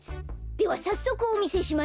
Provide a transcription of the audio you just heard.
ではさっそくおみせしましょう。